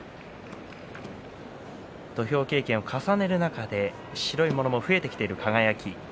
土俵経験を重ねる中で白いものも増えてきている輝です。